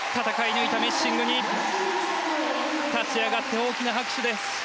抜いたメッシングに立ち上がって大きな拍手です。